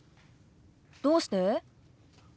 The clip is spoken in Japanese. どうして？